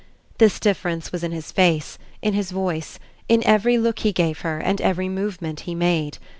This difference was in his face, in his voice, in every look he gave her and every movement he made.